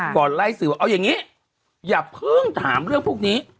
ก่อนไล่สื่อเอายังงี้อย่าพึ่งถามเรื่องพวกนี้